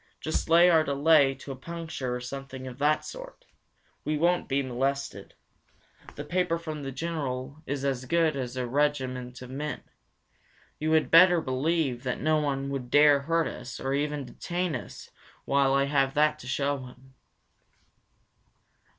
Just lay our delay to a puncture or something of that sort. We won't be molested. The paper from the General is as good as a regiment of men. You had better believe that no one would dare hurt us, or even detain us while I have that to show them."